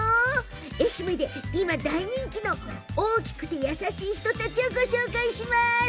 愛媛で今、大人気の大きくて優しい人たちをご紹介します。